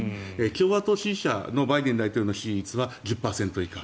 共和党支持者のバイデン大統領の支持率は１０％以下。